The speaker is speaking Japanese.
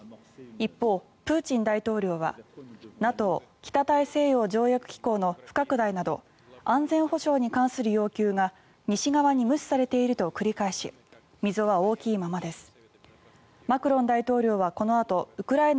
一方、プーチン大統領はＮＡＴＯ・北大西洋条約機構の不拡大など安全保障に関する要求が西側に無視されていると繰り返し溝は大きいままです。